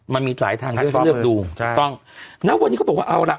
มันมีหลายทางต้องนั่ววันนี้เขาบอกว่าเอาล่ะ